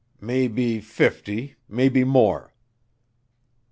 "Maybe fifty; maybe more."